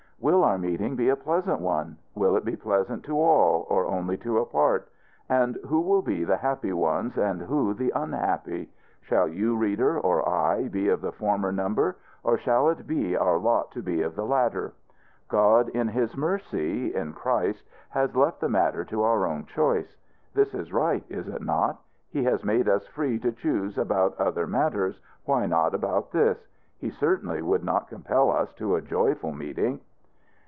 Will our meeting be a pleasant one? Will it be pleasant to all, or only to a part? And who will be the happy ones, and who the unhappy? Shall you, reader, or I, be of the former number; or shall it be our lot to be of the latter? God, in his mercy in Christ, has left the matter to our own choice. This is right, is it not? He has made us free to choose about other matters why not about this? He certainly would not compel us to a joyful meeting.